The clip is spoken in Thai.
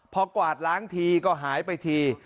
พอกวาดล้างทีก็หายไปที